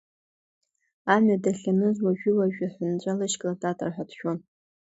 Амҩа дахьаныз, уажәи-уажәи аҳәынҵәа лышьклататар ҳәа дшәон.